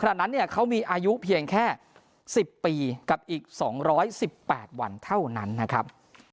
นั้นเนี่ยเขามีอายุเพียงแค่๑๐ปีกับอีก๒๑๘วันเท่านั้นนะครับ